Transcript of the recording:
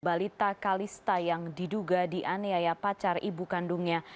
balita kalista yang diduga dianiaya pacar ibu kandungnya